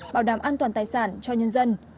bảo đảm an toàn tài sản cho nhân dân